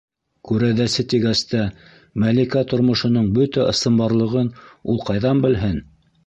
Күрәҙәсе тигәс тә, Мәликә тормошоноң бөтә ысынбарлығын ул ҡайҙан белһен?